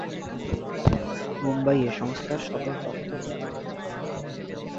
মুম্বাইয়ে সংস্থার সদর দফতর অবস্থিত।